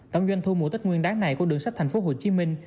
tổng doanh thu mùa tết nguyên đáng này của đường sách thành phố hồ chí minh